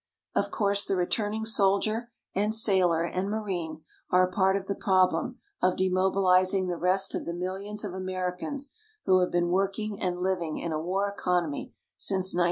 Of course, the returning soldier and sailor and marine are a part of the problem of demobilizing the rest of the millions of Americans who have been working and living in a war economy since 1941.